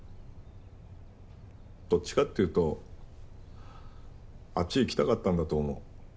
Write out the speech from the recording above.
どっちかっていうとあっち行きたかったんだと思う。